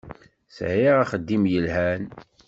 Sɛiɣ axeddim yelhan.